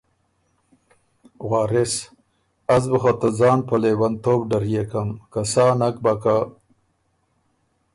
وارث: از بُو خه ته ځان په لېونتوب ډريېکم۔ که سا نک بَۀ که